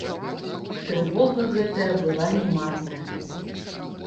Трывога гэтая была не марная.